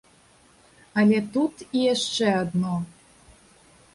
Але тут і яшчэ адно.